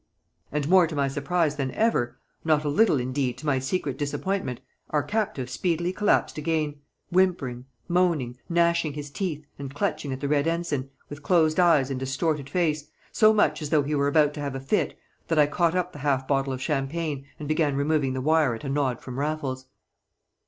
And more to my surprise than ever, not a little indeed to my secret disappointment, our captive speedily collapsed again, whimpering, moaning, gnashing his teeth, and clutching at the Red Ensign, with closed eyes and distorted face, so much as though he were about to have a fit that I caught up the half bottle of champagne, and began removing the wire at a nod from Raffles.